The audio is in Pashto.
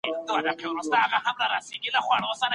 ړوند هلک له ډاره په اوږه باندي د مڼې ساتل خوښوي.